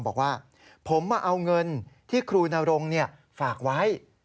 บอกว่าผมมาเอาเงินที่ครูนรงฝากไว้